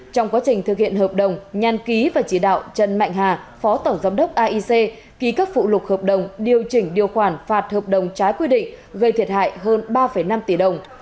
trong quá trình thực hiện hợp đồng nhàn ký và chỉ đạo trần mạnh hà phó tổng giám đốc aic ký cấp phụ lục hợp đồng điều chỉnh điều khoản phạt hợp đồng trái quy định gây thiệt hại hơn ba năm tỷ đồng